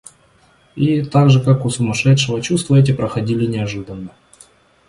И, так же как у сумасшедшего, чувства эти проходили неожиданно.